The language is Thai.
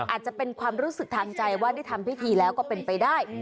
อาจจะเป็นความรู้สึกทางใจว่าได้ทำพิธีแล้วก็เป็นไปได้